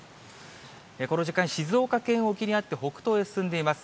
この時間、静岡県沖にあって北東へ進んでいます。